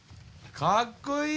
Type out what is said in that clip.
かっこいい。